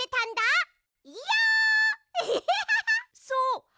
そう！